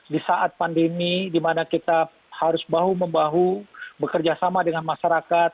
di saat pandemi di mana kita harus bahu membahu bekerja sama dengan masyarakat